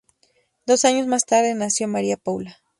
Dos años más tarde, nació María Paula.